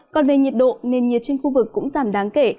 còn về nhiệt độ nền nhiệt trên khu vực cũng giảm đáng kể